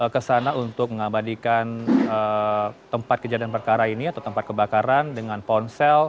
ke sana untuk mengabadikan tempat kejadian perkara ini atau tempat kebakaran dengan ponsel